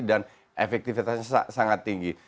dan efektivitasnya sangat tinggi